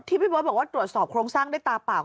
พี่เบิร์ตบอกว่าตรวจสอบโครงสร้างด้วยตาเปล่า